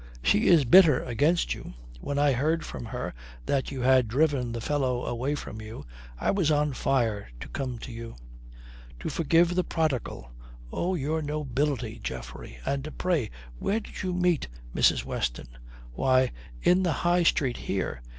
"She is bitter against you. When I heard from her that you had driven the fellow away from you, I was on fire to come to you." "To forgive the prodigal! Oh, your nobility, Geoffrey. And pray where did you meet Mrs. Weston?" "Why, in the High Street here.